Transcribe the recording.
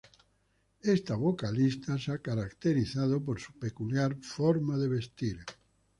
Esta vocalista se ha caracterizado por su peculiar forma de vestir.